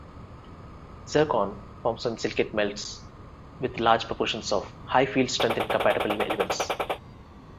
Zircon forms in silicate melts with large proportions of high field strength incompatible elements.